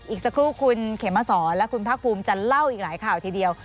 อีกสักครู่คุณเขมสอนและคุณภาคภูมิจะเล่าอีกหลายข่าวทีเดียว